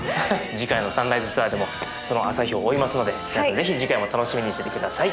次回のサンライズツアーでも朝日を追いますので皆さんぜひ次回も楽しみにしてて下さい。